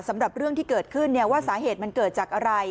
สำหรับเรื่องที่เกิดขึ้นว่าสาเหตุมันเกิดจากอะไร